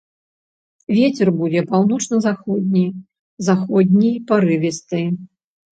Вецер будзе паўночна-заходні, заходні парывісты.